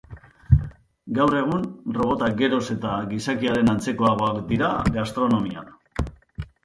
Gaur egun, robotak geroz eta gizakiaren antzekoagoak dira gastronomian.